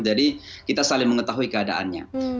jadi kita saling mengetahui keadaannya